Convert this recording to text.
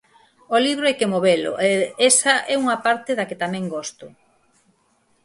O libro hai que movelo e esa é unha parte da que tamén gosto.